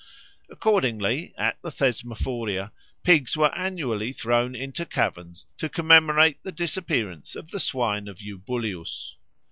Accordingly at the Thesmophoria pigs were annually thrown into caverns to commemorate the disappearance of the swine of Eubuleus.